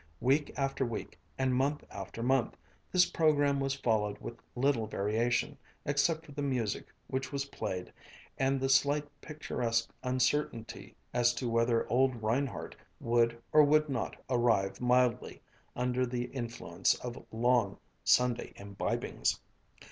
Week after week, and month after month, this program was followed with little variation, except for the music which was played, and the slight picturesque uncertainty as to whether old Reinhardt would or would not arrive mildly under the influence of long Sunday imbibings.